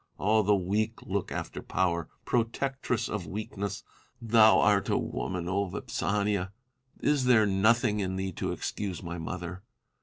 All the weak look after Power, protectress of weakness. Thou art a woman, Vipsania ! is there nothing in thee to excuse my mother